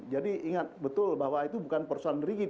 jadi ingat betul bahwa itu bukan persoalan rigid